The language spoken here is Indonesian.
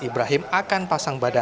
ibrahim akan pasang badan